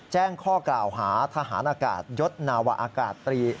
แจ้งข้อกล่าวหาทหารอากาศยศนาวะอากาศตรี